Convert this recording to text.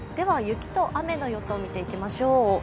雪と雨の予想を見ていきましょう。